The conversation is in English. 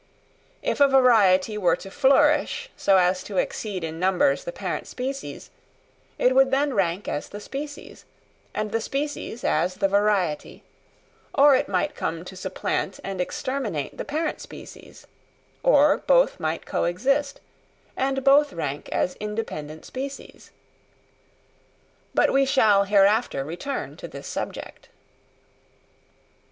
If a variety were to flourish so as to exceed in numbers the parent species, it would then rank as the species, and the species as the variety; or it might come to supplant and exterminate the parent species; or both might co exist, and both rank as independent species. But we shall hereafter return to this subject.